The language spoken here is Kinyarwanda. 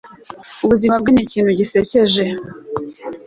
ubuzima ni ikintu gisekeje